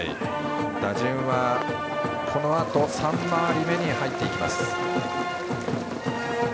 打順はこのあと３回り目に入っていきます。